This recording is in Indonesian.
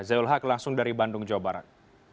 zayul haq langsung dari bandung jawa barat